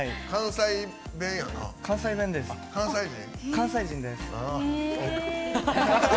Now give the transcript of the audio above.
関西人です。